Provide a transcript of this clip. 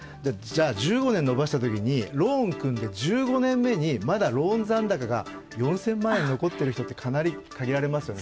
１５年延ばしたときにローン組んで１５年目にまだローン残高が４０００万円残っている人って、かなり限られますよね。